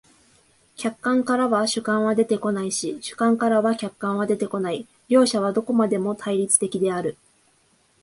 客観からは主観は出てこないし、主観からは客観は出てこない、両者はどこまでも対立的である。